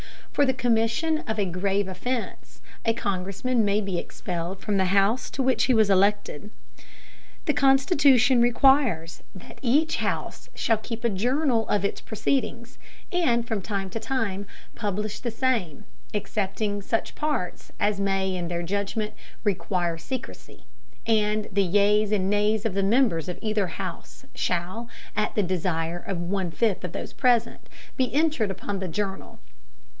For the commission of a grave offense, a Congressman may be expelled from the house to which he was elected. The Constitution requires that "each house shall keep a journal of its proceedings, and from time to time publish the same, excepting such parts as may in their judgment require secrecy; and the yeas and nays of the members of either house shall, at the desire of one fifth of those present, be entered upon the journal."